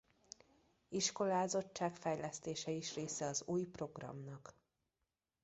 Iskolázottság fejlesztése is része az új programnak.